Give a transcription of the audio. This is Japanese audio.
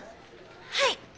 はい。